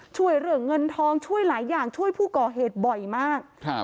ช่วยเหลือเงินทองช่วยหลายอย่างช่วยผู้ก่อเหตุบ่อยมาก